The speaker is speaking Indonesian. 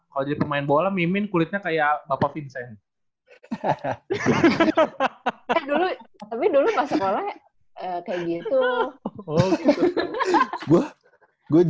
kalo jadi pemain bola mimin kulitnya kayak bapak vincent